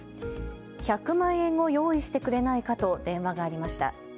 １００万円を用意してくれないかと電話がありました。